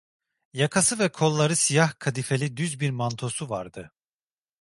Yakası ve kolları siyah kadifeli düz bir mantosu vardı.